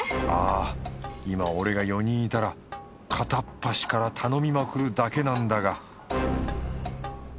あ今俺が４人いたら片っ端から頼みまくるだけなんだが